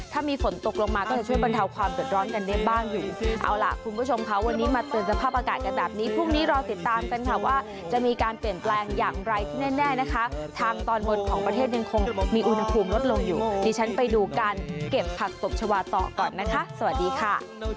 แต่แบบนี้พรุ่งนี้รอติดตามกันค่ะว่าจะมีการเปลี่ยนแปลงอย่างไรที่แน่นะคะทางตอนหมดของประเทศนึงคงมีอุณหภูมิลดลงอยู่ดิฉันไปดูการเก็บผักศพชาวะต่อก่อนนะคะสวัสดีค่ะ